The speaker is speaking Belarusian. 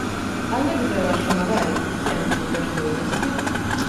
А як жа ваша мараль і хрысціянскія каштоўнасці?